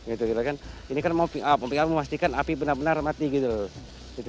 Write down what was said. ini kan memastikan api benar benar mati gitu loh